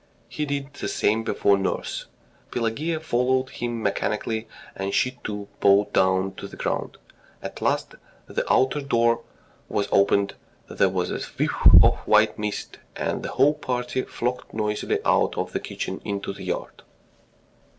He did the same before nurse. Pelageya followed him mechanically, and she too bowed down to the ground. At last the outer door was opened, there was a whiff of white mist, and the whole party flocked noisily out of the kitchen into the yard.